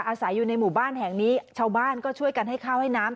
อาศัยอยู่ในหมู่บ้านแห่งนี้ชาวบ้านก็ช่วยกันให้ข้าวให้น้ำ